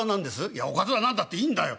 「いやおかずは何だっていいんだよ」。